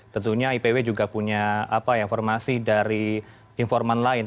tentunya ipw juga punya informasi dari informan lain